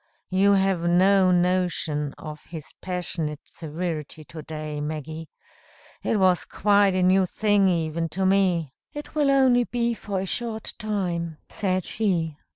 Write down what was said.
You have no notion of his passionate severity to day, Maggie! It was quite a new thing even to me!" "It will only be for a short time," said she.